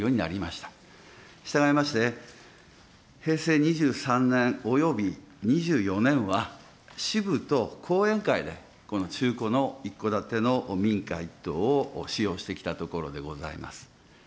したがいまして、平成２３年および２４年は、支部と後援会でこの中古の一戸建ての民家１棟を使用してきたところでございます。